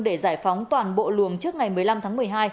để giải phóng toàn bộ luồng trước ngày một mươi năm tháng một mươi hai